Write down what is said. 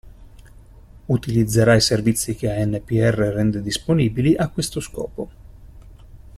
Utilizzerà i servizi che ANPR rende disponibili a questo scopo.